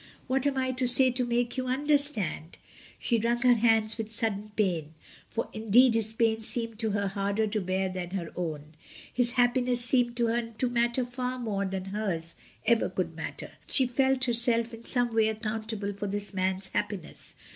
What am I to say to make you understand?" She wrung her hands with sudden pain, for in deed his pain seemed to her harder to bear than her own, his happiness seemed to her to matter far more than hers could ever matter. She felt herself in some way accountable for this man's happiness.